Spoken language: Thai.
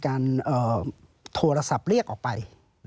ปีอาทิตย์ห้ามีสปีอาทิตย์ห้ามีส